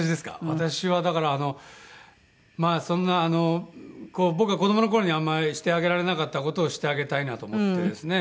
私はだからまあそんな僕が子どもの頃にあんまりしてあげられなかった事をしてあげたいなと思ってですね。